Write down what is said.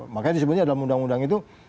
makanya disebutnya dalam undang undang itu